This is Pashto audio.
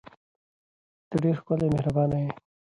ته ډیره ښکلې او مهربانه یې.